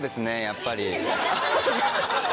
やっぱり。